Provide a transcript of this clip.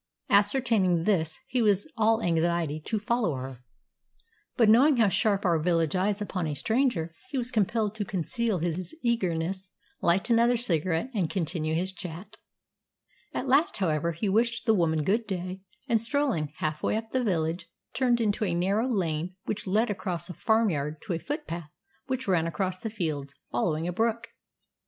Ascertaining this, he was all anxiety to follow her; but, knowing how sharp are village eyes upon a stranger, he was compelled to conceal his eagerness, light another cigarette, and continue his chat. At last, however, he wished the woman good day, and, strolling half way up the village, turned into a narrow lane which led across a farmyard to a footpath which ran across the fields, following a brook.